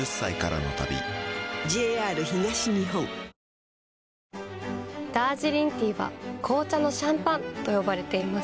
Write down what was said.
トーンアップ出たダージリンティーは紅茶のシャンパンと呼ばれています。